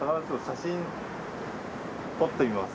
写真撮ってみます？